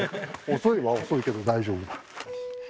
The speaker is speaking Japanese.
遅いは遅いけど、大丈夫。